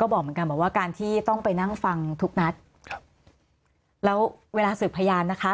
ก็บอกเหมือนกันบอกว่าการที่ต้องไปนั่งฟังทุกนัดครับแล้วเวลาสืบพยานนะคะ